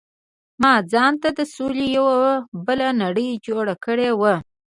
ما ځانته د سولې یو بېله نړۍ جوړه کړې وه.